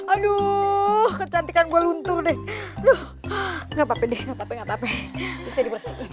aduh kecantikan gua luntur deh lu breeze